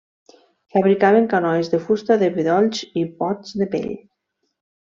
Fabricaven canoes de fusta de bedolls i bots de pell.